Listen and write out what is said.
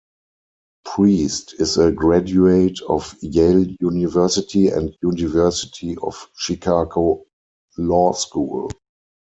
Priest is a graduate of Yale University and University of Chicago Law School.